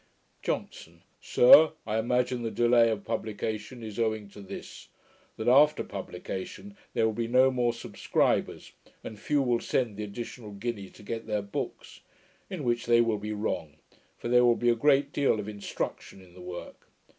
JOHNSON. 'Sir, I imagine the delay of publication is owing to this; that, after publication, there will be no more subscribers, and few will send the additional guinea to get their books: in which they will be wrong; for there will be a great deal of instruction in the work.